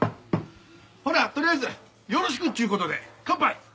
ほんならとりあえずよろしくっちゅう事で乾杯！